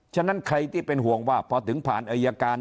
ฉะนั้นใครที่เป็นห่วงว่าพอถึงผ่านอายการ